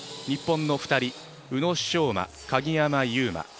日本の２人、宇野昌磨、鍵山優真。